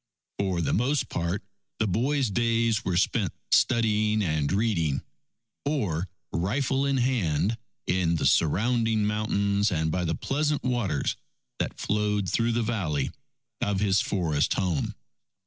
For the most part, the boy's days were spent studying and reading, or rifle in hand, in the surrounding mountains and by the pleasant waters that flowed through the valley of his forest home.